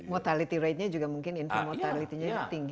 motality rate nya juga mungkin infomotality nya tinggi